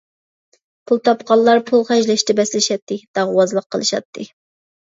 پۇل تاپقانلار پۇل خەجلەشتە بەسلىشەتتى، داغۋازلىق قىلىشاتتى.